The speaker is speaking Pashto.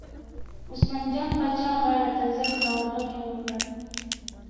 عثمان جان پاچا غاړه تازه کړه او غږ یې وکړ.